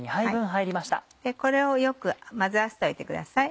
これをよく混ぜ合わせておいてください。